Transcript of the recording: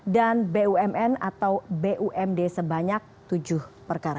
dan bumn atau bumd sebanyak tujuh perkara